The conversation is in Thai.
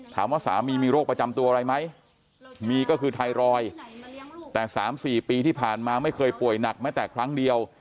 สามีมีโรคประจำตัวอะไรไหมมีก็คือไทรอยด์แต่๓๔ปีที่ผ่านมาไม่เคยป่วยหนักแม้แต่ครั้งเดียว